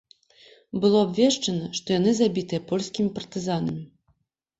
Было абвешчана, што яны забітыя польскімі партызанамі.